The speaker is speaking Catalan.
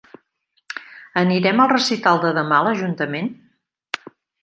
Anirem al recital de demà a l'ajuntament?